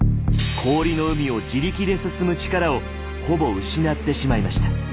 氷の海を自力で進む力をほぼ失ってしまいました。